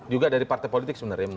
juga dari partai politik sebenarnya